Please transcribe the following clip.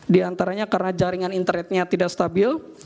di antaranya karena jaringan internetnya tidak stabil